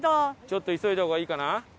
ちょっと急いだ方がいいかな？